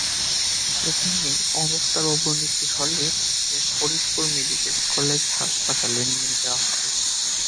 সেখানে অবস্থার অবনতি হলে তাঁকে ফরিদপুর মেডিকেল কলেজ হাসপাতালে নিয়ে যাওয়া হয়।